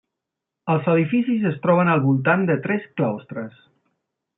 Els edificis es troben al voltant de tres claustres.